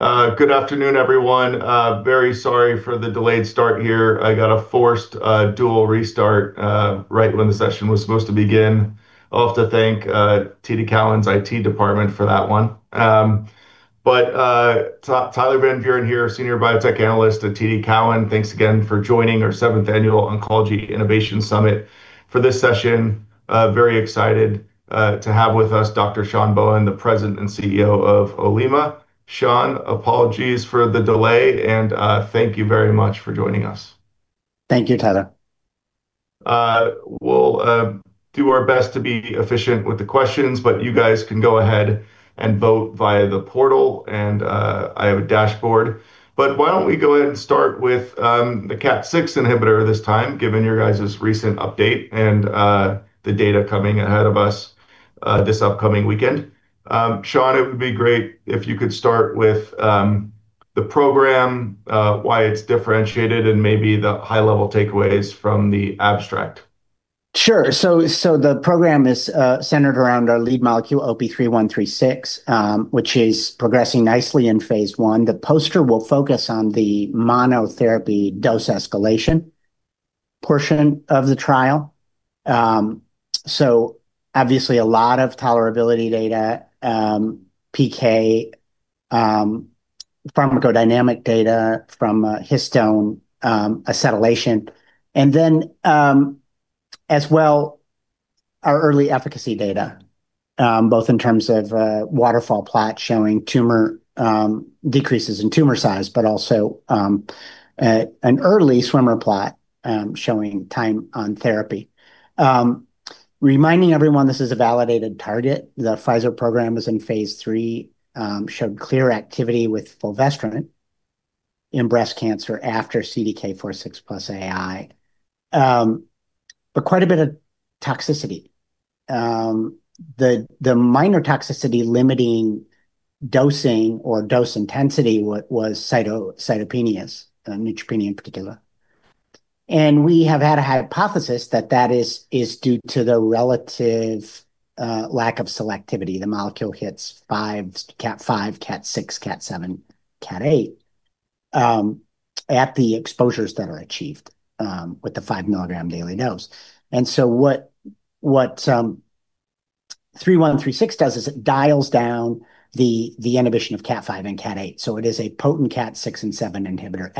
Good afternoon, everyone. Very sorry for the delayed start here. I got a forced dual restart right when the session was supposed to begin. I'll have to thank TD Cowen's IT department for that one. Tyler Van Buren here, Senior Biotech Analyst at TD Cowen. Thanks again for joining our Seventh Annual Oncology Innovation Summit. This session, very excited to have with us Dr. Sean Bohen, the President and Chief Executive Officer of Olema. Sean, apologies for the delay, and thank you very much for joining us. Thank you, Tyler. We'll do our best to be efficient with the questions, but you guys can go ahead and vote via the portal, and I have a dashboard. Why don't we go ahead and start with the KAT6 inhibitor this time, given your guys' recent update and the data coming ahead of us this upcoming weekend. Sean, it would be great if you could start with the program, why it's differentiated, and maybe the high-level takeaways from the abstract. Sure. The program is centered around our lead molecule, OP-3136, which is progressing nicely in phase I. The poster will focus on the monotherapy dose escalation portion of the trial. Obviously, a lot of tolerability data, PK, pharmacodynamic data from histone acetylation. As well, our early efficacy data, both in terms of a waterfall plot showing decreases in tumor size, but also an early swimmer plot showing time on therapy. Reminding everyone this is a validated target. The Pfizer program is in phase III, showed clear activity with fulvestrant in breast cancer after CDK4/6 plus AI. Quite a bit of toxicity. The minor toxicity limiting dosing or dose intensity was cytopenias, neutropenia in particular. We have had a hypothesis that that is due to the relative lack of selectivity. The molecule hits KAT5, KAT6, KAT7, KAT8 at the exposures that are achieved with the 5-milligram daily dose. What OP-3136 does is it dials down the inhibition of KAT5 and KAT8. It is a potent KAT6 and KAT7 inhibitor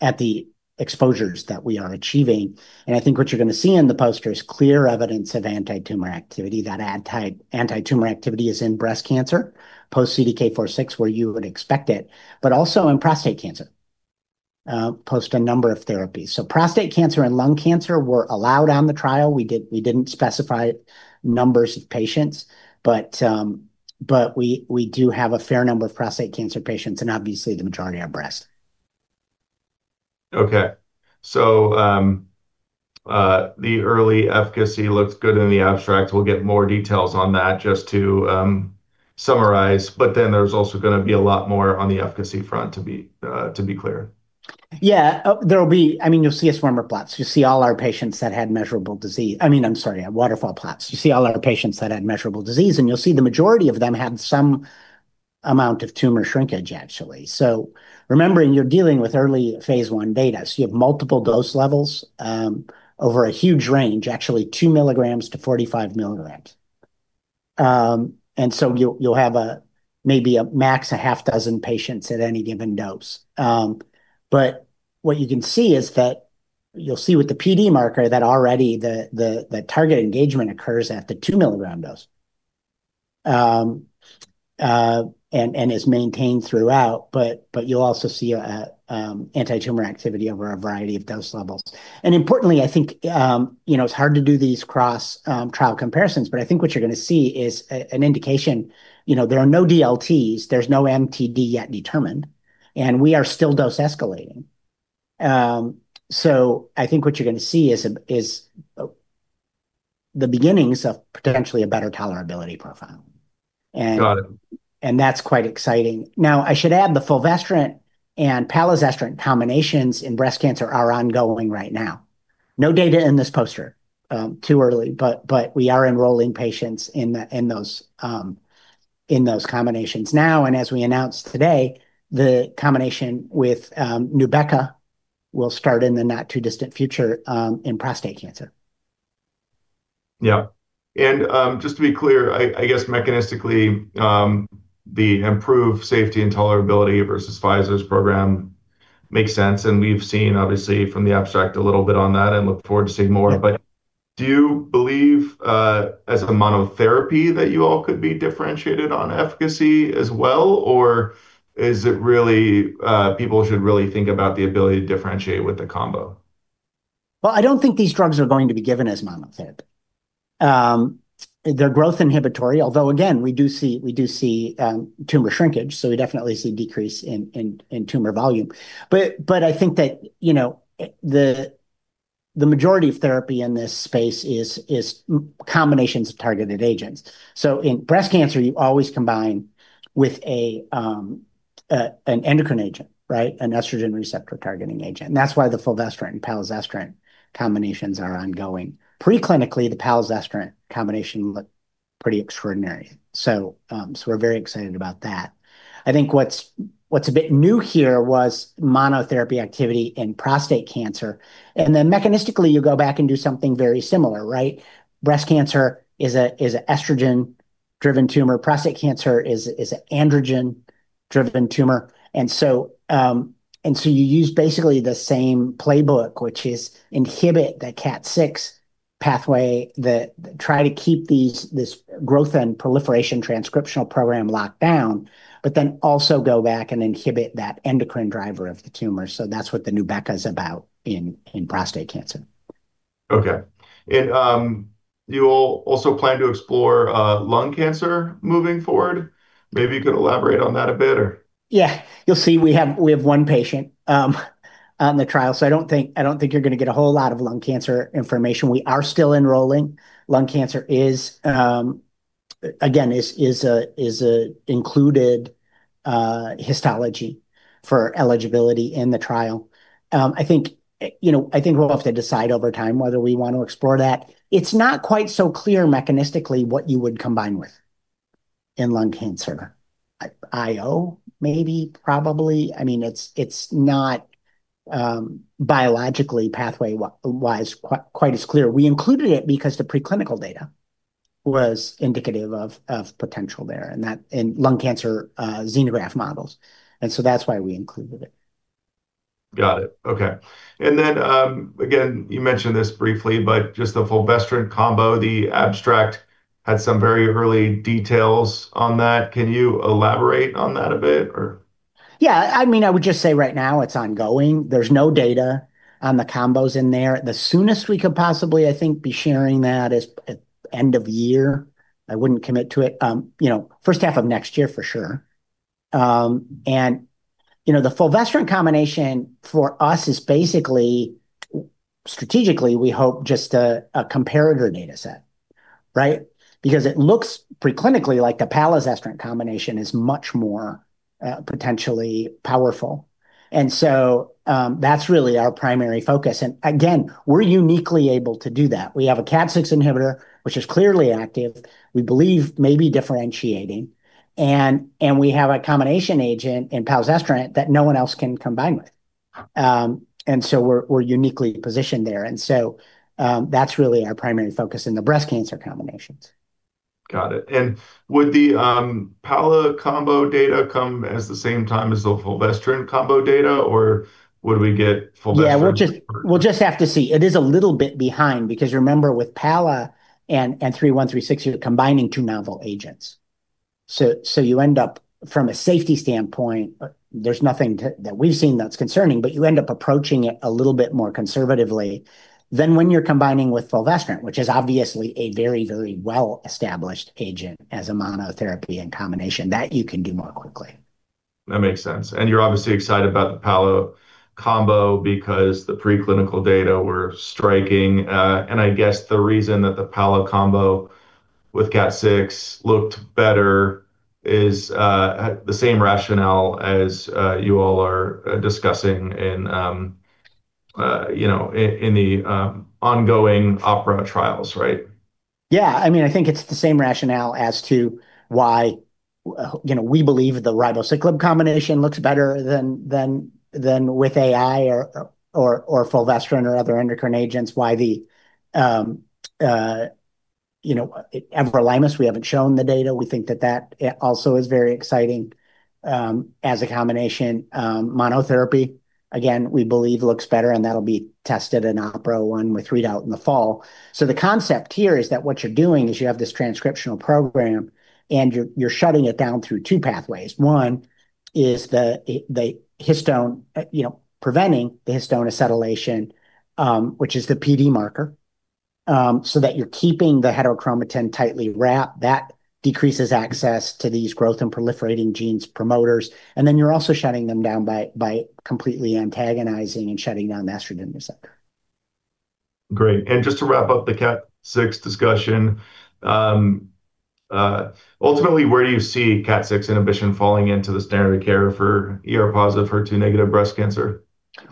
at the exposures that we are achieving. I think what you're going to see in the poster is clear evidence of anti-tumor activity. That anti-tumor activity is in breast cancer, post CDK4/6, where you would expect it, but also in prostate cancer, post a number of therapies. Prostate cancer and lung cancer were allowed on the trial. We didn't specify numbers of patients, we do have a fair number of prostate cancer patients, obviously the majority are breast. The early efficacy looks good in the abstract. We'll get more details on that just to summarize, there's also going to be a lot more on the efficacy front, to be clear. Yeah. You'll see swimmer plots. You'll see all our patients that had measurable disease. I'm sorry, waterfall plots. You see all our patients that had measurable disease, and you'll see the majority of them had some amount of tumor shrinkage, actually. Remembering you're dealing with early phase I data. You have multiple dose levels over a huge range, actually 2 mg-45 mg. You'll have maybe max a half dozen patients at any given dose. What you can see is that you'll see with the PD marker that already the target engagement occurs at the 2 mg dose, and is maintained throughout, but you'll also see anti-tumor activity over a variety of dose levels. Importantly, I think it's hard to do these cross trial comparisons, but I think what you're going to see is an indication. There are no DLTs, there's no MTD yet determined, and we are still dose escalating. I think what you're going to see is the beginnings of potentially a better tolerability profile. Got it. That's quite exciting. Now, I should add the fulvestrant and palbociclib combinations in breast cancer are ongoing right now. No data in this poster. Too early. We are enrolling patients in those combinations now. As we announced today, the combination with NUBEQA will start in the not too distant future in prostate cancer. Yeah. Just to be clear, I guess mechanistically, the improved safety and tolerability versus Pfizer's program makes sense, and we've seen, obviously, from the abstract a little bit on that and look forward to seeing more. Yeah. Do you believe as a monotherapy that you all could be differentiated on efficacy as well? Is it really people should really think about the ability to differentiate with the combo? Well, I don't think these drugs are going to be given as monotherapy. They're growth inhibitory, although again, we do see tumor shrinkage, so we definitely see decrease in tumor volume. I think that the majority of therapy in this space is combinations of targeted agents. In breast cancer, you always combine with an endocrine agent, right? An estrogen receptor targeting agent. That's why the fulvestrant and palbociclib combinations are ongoing. Preclinically, the palbociclib combination looked pretty extraordinary. We're very excited about that. I think what's a bit new here was monotherapy activity in prostate cancer, mechanistically you go back and do something very similar, right? Breast cancer is an estrogen-driven tumor. Prostate cancer is an androgen-driven tumor. You use basically the same playbook, which is inhibit the KAT6 pathway, try to keep this growth and proliferation transcriptional program locked down, but then also go back and inhibit that endocrine driver of the tumor. That's what NUBEQA's about in prostate cancer. Okay. Do you all also plan to explore lung cancer moving forward? Maybe you could elaborate on that a bit, or? Yeah. You'll see we have one patient on the trial, so I don't think you're going to get a whole lot of lung cancer information. We are still enrolling. Lung cancer is, again, is an included histology for eligibility in the trial. I think we'll have to decide over time whether we want to explore that. It's not quite so clear mechanistically what you would combine with in lung cancer. IO, maybe, probably. It's not biologically pathway-wise quite as clear. We included it because the pre-clinical data was indicative of potential there in lung cancer xenograft models, and so that's why we included it. Got it. Okay. Again, you mentioned this briefly, but just the fulvestrant combo, the abstract had some very early details on that. Can you elaborate on that a bit? Yeah, I would just say right now it's ongoing. There's no data on the combos in there. The soonest we could possibly, I think, be sharing that is end of year. I wouldn't commit to it. First half of next year for sure. The fulvestrant combination for us is basically strategically we hope just a comparator data set, right? Because it looks pre-clinically like the palbociclib combination is much more potentially powerful. That's really our primary focus. Again, we're uniquely able to do that. We have a KAT6 inhibitor, which is clearly active, we believe may be differentiating, and we have a combination agent in palbociclib that no one else can combine with. We're uniquely positioned there. That's really our primary focus in the breast cancer combinations. Got it. Would the pala combo data come as the same time as the fulvestrant combo data, or would we get fulvestrant first? Yeah, we'll just have to see. It is a little bit behind because remember with pala and OP-3136, you're combining two novel agents. You end up from a safety standpoint, there's nothing that we've seen that's concerning, but you end up approaching it a little bit more conservatively than when you're combining with fulvestrant, which is obviously a very, very well-established agent as a monotherapy and combination that you can do more quickly. That makes sense. You're obviously excited about the pala combo because the pre-clinical data were striking. I guess the reason that the pala combo with KAT6 looked better is the same rationale as you all are discussing in the ongoing OPERA trials, right? I think it's the same rationale as to why we believe the ribociclib combination looks better than with AI or fulvestrant or other endocrine agents,[YV]. Everolimus, we haven't shown the data. We think that that also is very exciting as a combination. Monotherapy, again, we believe looks better, and that'll be tested in OPERA-1 with readout in the fall. The concept here is that what you're doing is you have this transcriptional program, and you're shutting it down through two pathways. One is preventing the histone acetylation, which is the PD marker, so that you're keeping the heterochromatin tightly wrapped. That decreases access to these growth and proliferating genes promoters, and then you're also shutting them down by completely antagonizing and shutting down the estrogen receptor. Great. Just to wrap up the KAT6 discussion, ultimately where do you see KAT6 inhibition falling into the standard of care for ER-positive, HER2-negative breast cancer?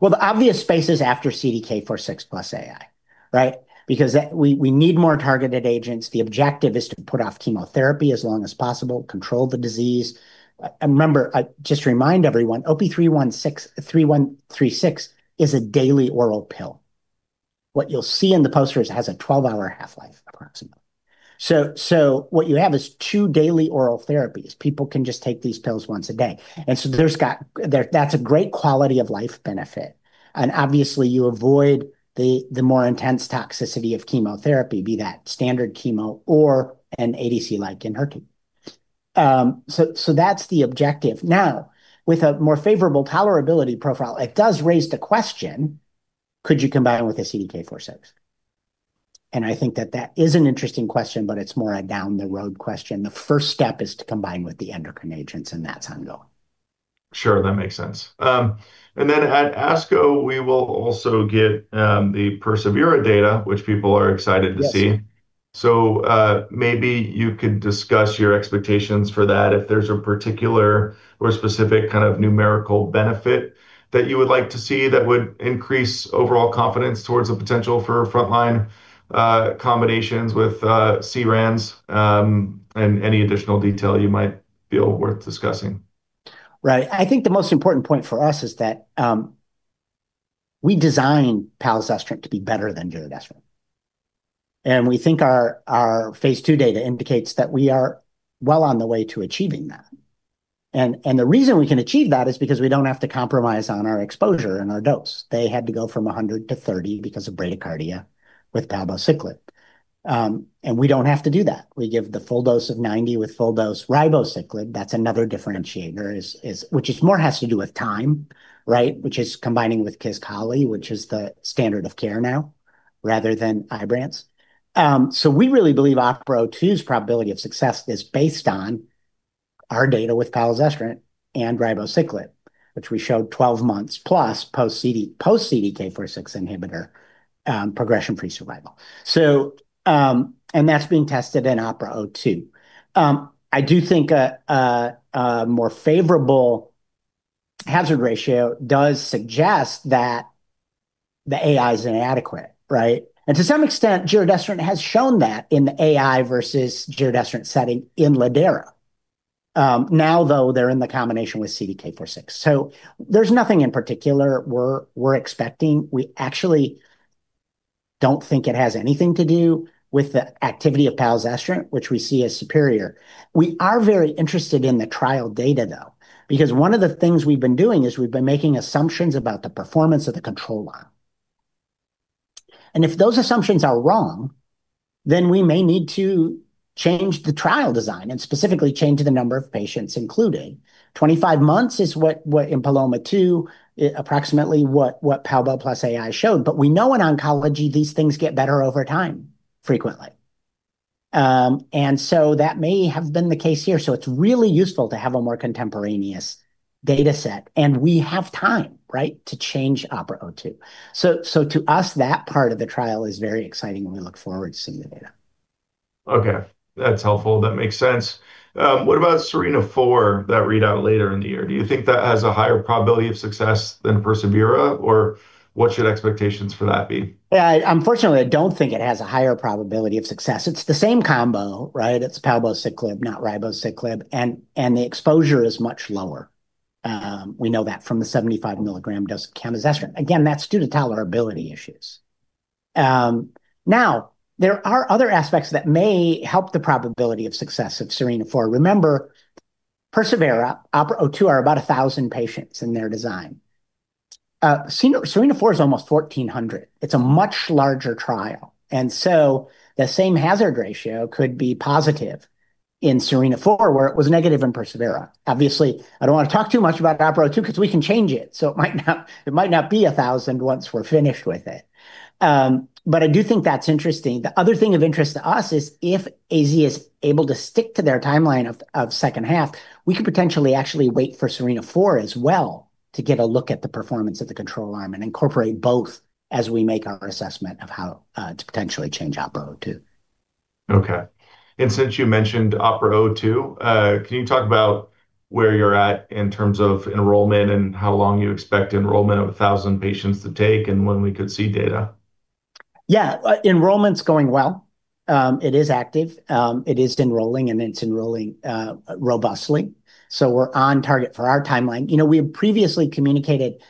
Well, the obvious space is after CDK4/6 plus AI, right? Because we need more targeted agents. The objective is to put off chemotherapy as long as possible, control the disease. Remember, just remind everyone, OP-3136 is a daily oral pill. What you'll see in the poster is it has a 12-hour half-life approximately. What you have is two daily oral therapies. People can just take these pills once a day. That's a great quality of life benefit. Obviously you avoid the more intense toxicity of chemotherapy, be that standard chemo or an ADC like Enhertu. That's the objective. Now, with a more favorable tolerability profile, it does raise the question, could you combine it with a CDK4/6? I think that that is an interesting question, it's more a down the road question. The first step is to combine with the endocrine agents, and that's ongoing. Sure, that makes sense. At ASCO, we will also get the persevERA data, which people are excited to see. Maybe you could discuss your expectations for that, if there's a particular or specific kind of numerical benefit that you would like to see that would increase overall confidence towards the potential for frontline combinations with SERDs and any additional detail you might feel worth discussing? Right. I think the most important point for us is that we designed palazestrant to be better than giredestrant. We think our phase II data indicates that we are well on the way to achieving that. The reason we can achieve that is because we don't have to compromise on our exposure and our dose. They had to go from 100 to 30 because of bradycardia with palbociclib. We don't have to do that. We give the full dose of 90 with full dose ribociclib. That's another differentiator, which more has to do with time, which is combining with Kisqali, which is the standard of care now, rather than Ibrance. We really believe OPERA-02's probability of success is based on our data with palazestrant and ribociclib, which we showed 12 months plus post-CDK4/6 inhibitor progression-free survival. That's being tested in OPERA-02. I do think a more favorable hazard ratio does suggest that the AI is inadequate, right? To some extent, giredestrant has shown that in the AI versus giredestrant setting in lidERA. Now, though, they're in the combination with CDK4/6. There's nothing in particular we're expecting. We actually don't think it has anything to do with the activity of palazestrant, which we see as superior. We are very interested in the trial data, though, because one of the things we've been doing is we've been making assumptions about the performance of the control arm. If those assumptions are wrong, then we may need to change the trial design and specifically change the number of patients included. 25 months is what in PALOMA-2, approximately what palbo plus AI showed. We know in oncology these things get better over time frequently. That may have been the case here. It's really useful to have a more contemporaneous data set, and we have time to change OPERA-02. To us, that part of the trial is very exciting and we look forward to seeing the data. Okay. That's helpful. That makes sense. What about SERENA-4, that readout later in the year? Do you think that has a higher probability of success than persevERA, or what should expectations for that be? Yeah, unfortunately, I don't think it has a higher probability of success. It's the same combo, right? It's palbociclib, not ribociclib, and the exposure is much lower. We know that from the 75 mg dose of camizestrant. Again, that's due to tolerability issues. Now, there are other aspects that may help the probability of success of SERENA-4. Remember, persevERA, OPERA-02 are about 1,000 patients in their design. SERENA-4 is almost 1,400. It's a much larger trial, and so the same hazard ratio could be positive in SERENA-4, where it was negative in persevERA. Obviously, I don't want to talk too much about OPERA-02 because we can change it. It might not be 1,000 once we're finished with it. I do think that's interesting. The other thing of interest to us is if AZ is able to stick to their timeline of second half, we could potentially actually wait for SERENA-4 as well to get a look at the performance of the control arm and incorporate both as we make our assessment of how to potentially change OPERA-02. Okay. Since you mentioned OPERA-02, can you talk about where you're at in terms of enrollment and how long you expect enrollment of 1,000 patients to take, and when we could see data? Yeah. Enrollment's going well. It is active. It is enrolling, and it's enrolling robustly. We're on target for our timeline. We had previously communicated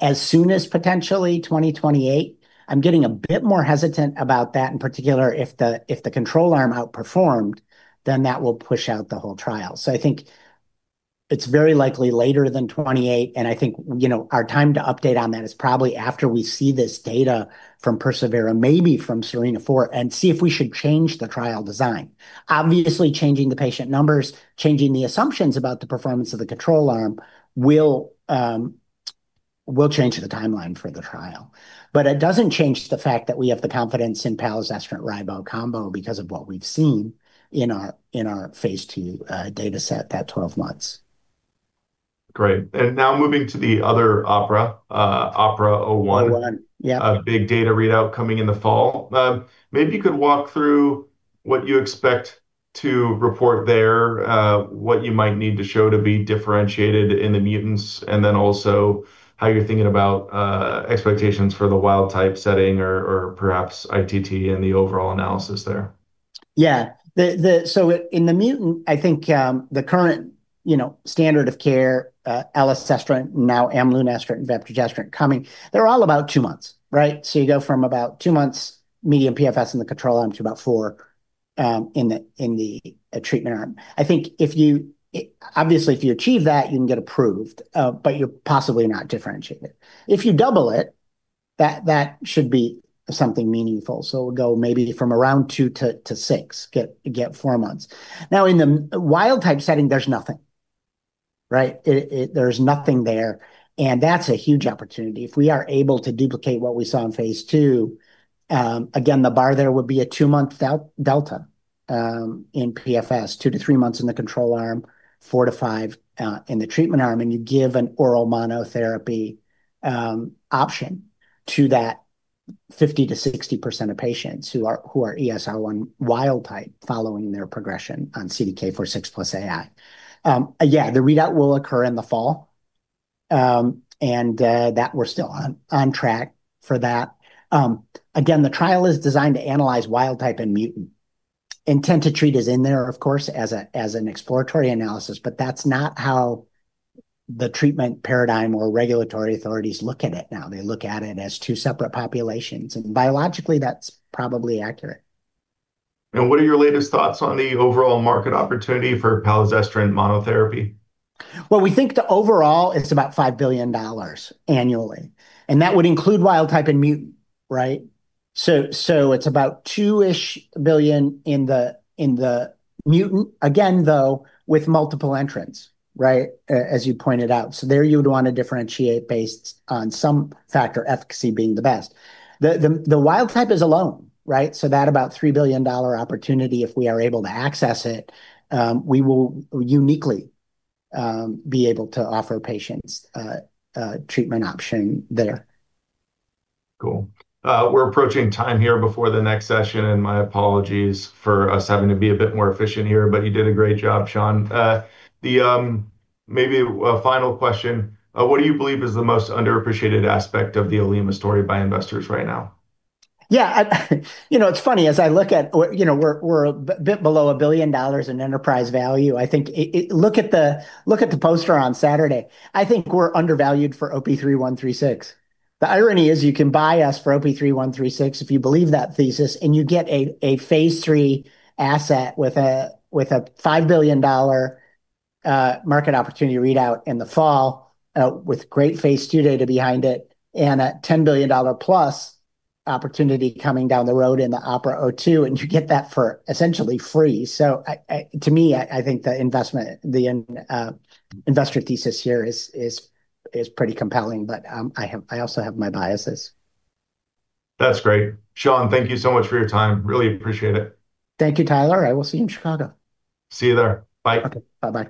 as soon as potentially 2028. I'm getting a bit more hesitant about that in particular. If the control arm outperformed, that will push out the whole trial. I think it's very likely later than 2028, and I think our time to update on that is probably after we see this data from persevERA, maybe from SERENA-4, and see if we should change the trial design. Obviously, changing the patient numbers, changing the assumptions about the performance of the control arm will change the timeline for the trial. It doesn't change the fact that we have the confidence in palazestrant-ribo combo because of what we've seen in our phase II data set, that 12 months. Great. Now moving to the other OPERA-01. 01, yeah. A big data readout coming in the fall. Maybe you could walk through what you expect to report there, what you might need to show to be differentiated in the mutants, then also how you're thinking about expectations for the wild type setting or perhaps ITT and the overall analysis there? Yeah. In the mutant, I think the current standard of care, elacestrant, now imlunestrant, vepdegestrant coming, they're all about two months, right? You go from about two months median PFS in the control arm to about four in the treatment arm. Obviously, if you achieve that, you can get approved, but you're possibly not differentiated. If you double it, that should be something meaningful. It'll go maybe from around two to six, get four months. Now, in the wild type setting, there's nothing, right? There's nothing there, and that's a huge opportunity. If we are able to duplicate what we saw in phase II, again, the bar there would be a two-month delta in PFS, two to three months in the control arm, four to five in the treatment arm, and you give an oral monotherapy option to that 50%-60% of patients who are ESR1 wild type following their progression on CDK4/6 plus AI. The readout will occur in the fall, and that we're still on track for that. The trial is designed to analyze wild type and mutant. ITT is in there, of course, as an exploratory analysis, but that's not how the treatment paradigm or regulatory authorities look at it now. They look at it as two separate populations, and biologically, that's probably accurate. What are your latest thoughts on the overall market opportunity for palazestrant monotherapy? Well, we think the overall is about $5 billion annually, and that would include wild type and mutant, right? It's about $2-ish billion in the mutant. Again, though, with multiple entrants, right, as you pointed out. There you would want to differentiate based on some factor, efficacy being the best. The wild type is alone, right? That about $3 billion opportunity, if we are able to access it, we will uniquely be able to offer patients a treatment option there. Cool. We're approaching time here before the next session. My apologies for us having to be a bit more efficient here. You did a great job, Sean. Maybe a final question. What do you believe is the most underappreciated aspect of the Olema story by investors right now? Yeah, it's funny, as I look at we're a bit below $1 billion in enterprise value. Look at the poster on Saturday. I think we're undervalued for OP-3136. The irony is you can buy us for OP-3136 if you believe that thesis, and you get a phase III asset with a $5 billion market opportunity readout in the fall with great phase II data behind it and a $10 billion plus opportunity coming down the road in the OPERA-02, and you get that for essentially free. To me, I think the investor thesis here is pretty compelling, but I also have my biases. That's great. Sean, thank you so much for your time. Really appreciate it. Thank you, Tyler. I will see you in Chicago. See you there. Bye. Okay. Bye-bye.